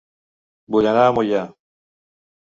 Vull anar a Moià